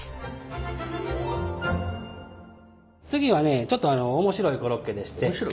次はねちょっと面白いコロッケでして。